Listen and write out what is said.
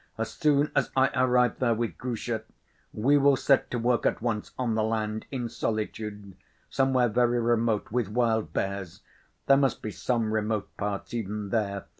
"As soon as I arrive there with Grusha, we will set to work at once on the land, in solitude, somewhere very remote, with wild bears. There must be some remote parts even there.